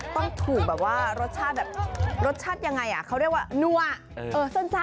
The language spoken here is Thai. ต้องถูกแบบว่ารสชาติแบบรสชาติยังไงอ่ะเขาเรียกว่านัวสั้น